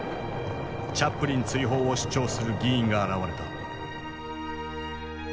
チャップリン追放を主張する議員が現れた。